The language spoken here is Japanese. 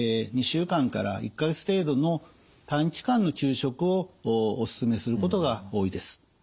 ２週間から１か月程度の短期間の休職をお勧めすることが多いです。